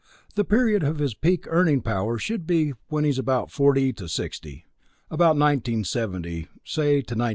The period of his peak earning power should be when he's about forty to sixty about 1970, say, to 1990.